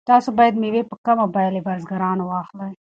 تاسو باید مېوې په کمه بیه له بزګرانو واخلئ.